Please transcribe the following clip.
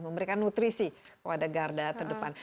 memberikan nutrisi kepada garda terdepan